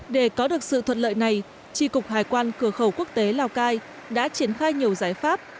để có được sự thuận lợi này tri cục hải quan cửa khẩu quốc tế lào cai đã triển khai nhiều giải pháp